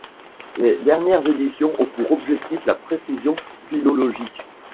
Les dernières éditions ont pour objectif la précision philologique.